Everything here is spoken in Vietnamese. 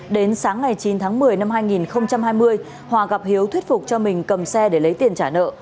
đến sáng ngày chín tháng một mươi năm hai nghìn hai mươi hòa gặp hiếu thuyết phục cho mình cầm xe để lấy tiền trả nợ